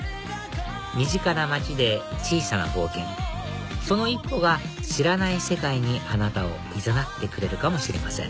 身近な街で小さな冒険その一歩が知らない世界にあなたをいざなってくれるかもしれません